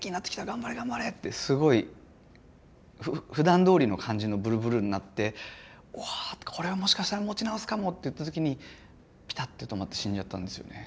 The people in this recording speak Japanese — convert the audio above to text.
頑張れ頑張れ！」ってすごい。ふだんどおりの感じのブルブルになって「うわこれはもしかしたら持ち直すかも！」って言った時にピタッて止まって死んじゃったんですよね。